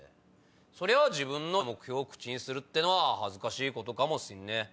そりゃ自分の目標口にするのは恥ずかしいことかもしんねえ。